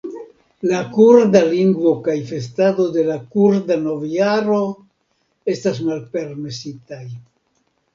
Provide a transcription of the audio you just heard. La kurda lingvo kaj festado de la kurda novjaro estas malpermesitaj.